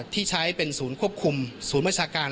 ที่ใช้เป็นศูนย์ควบคุมศูนย์บัญชาการ